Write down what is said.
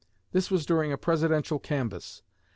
This was during a Presidential canvass.